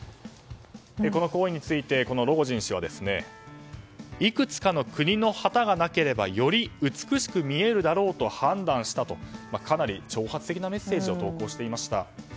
この行為についてロゴジン氏はいくつかの国の旗がなければより美しく見えるだろうと判断したとかなり挑発的なメッセージを投稿していました。